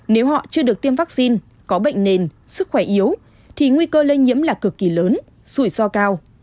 nếu họ chưa được tiêm vaccine có bệnh nền sức khỏe yếu thì nguy cơ lây nhiễm là cực kỳ lớn rủi ro cao